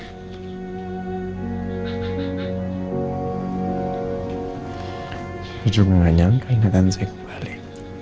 aku juga gak nyangka ini akan saya kembali